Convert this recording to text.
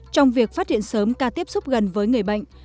trong việc phát hiện sớm ca tiếp xúc gần với người bệnh